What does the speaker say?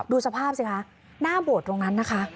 ดูสภาพสิคะหน้าโบสถ์ตรงนั้นนะคะ